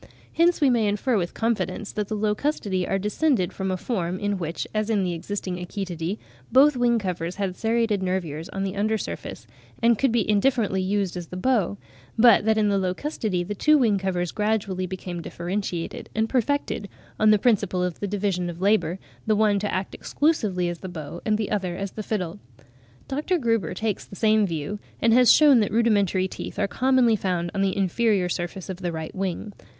Hence we may infer with confidence that the Locustidae are descended from a form, in which, as in the existing Achetidae, both wing covers had serrated nervures on the under surface, and could be indifferently used as the bow; but that in the Locustidae the two wing covers gradually became differentiated and perfected, on the principle of the division of labour, the one to act exclusively as the bow, and the other as the fiddle. Dr. Gruber takes the same view, and has shewn that rudimentary teeth are commonly found on the inferior surface of the right wing.